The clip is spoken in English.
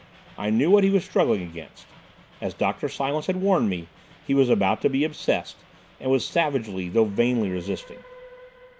I knew what he was struggling against. As Dr. Silence had warned me, he was about to be obsessed, and was savagely, though vainly, resisting.